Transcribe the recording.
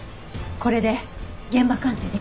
これで現場鑑定できますね。